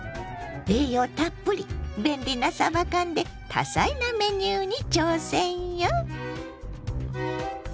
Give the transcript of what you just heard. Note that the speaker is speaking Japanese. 栄養たっぷり便利なさば缶で多彩なメニューに挑戦よ！